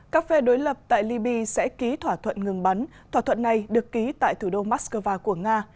các phe đối lập tại libya sẽ ký thỏa thuận ngừng bắn thỏa thuận này được ký tại thủ đô moscow của nga